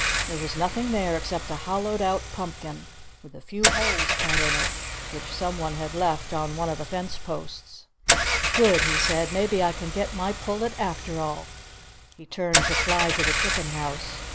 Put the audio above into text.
There was nothing there except a hollowed out pumpkin, with a few holes cut in it, which someone had left on one of the fence posts. "Good!" said he. "Maybe I can get my pullet after all!" He turned to fly to the chicken house.